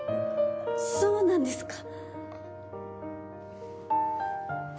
そうなんですか。